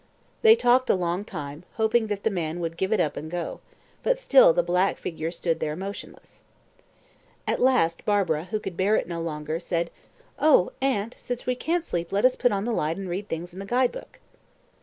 They talked a long time, hoping that the man would give it up and go; but still the black figure stood there motionless. At last Barbara, who could bear it no longer, said "Oh, aunt, since we can't sleep let us put on the light and read up things in the guide book."